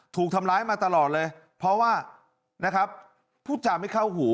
ถูกทำร้ายมาตลอดเลยเพราะว่านะครับพูดจาไม่เข้าหู